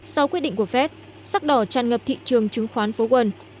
sau quyết định của fed sắc đỏ tràn ngập thị trường chứng khoán phố quân